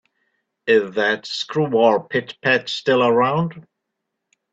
Is that screwball Pit-Pat still around?